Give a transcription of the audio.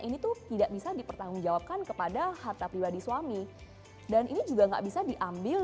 ini tuh tidak bisa dipertanggungjawabkan kepada harta pribadi suami dan ini juga nggak bisa diambil